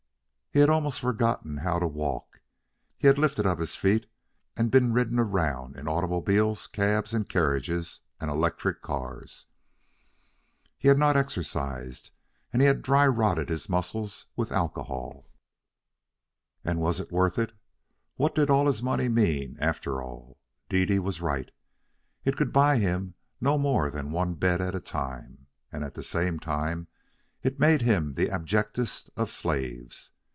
He had almost forgotten how to walk. He had lifted up his feet and been ridden around in automobiles, cabs and carriages, and electric cars. He had not exercised, and he had dry rotted his muscles with alcohol. And was it worth it? What did all his money mean after all? Dede was right. It could buy him no more than one bed at a time, and at the same time it made him the abjectest of slaves.